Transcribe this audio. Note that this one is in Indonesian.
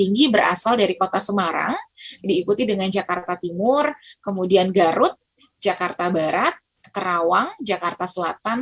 tinggi berasal dari kota semarang diikuti dengan jakarta timur kemudian garut jakarta barat kerawang jakarta selatan